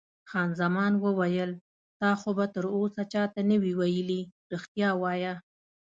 خان زمان وویل: تا خو به تراوسه چا ته نه وي ویلي؟ رښتیا وایه.